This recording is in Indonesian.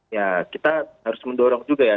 ya kita harus mendorong juga ya